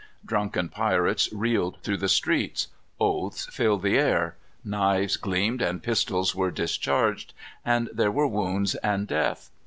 Drunken pirates reeled through the streets. Oaths filled the air. Knives gleamed, and pistols were discharged, and there were wounds and death.